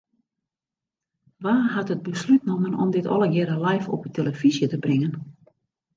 Wa hat it beslút nommen om dit allegearre live op 'e telefyzje te bringen?